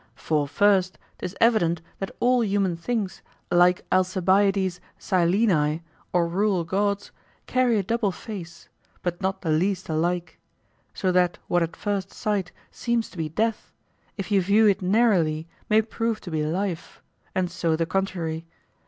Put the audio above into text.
For first 'tis evident that all human things, like Alcibiades' Sileni or rural gods, carry a double face, but not the least alike; so that what at first sight seems to be death, if you view it narrowly may prove to be life; and so the contrary.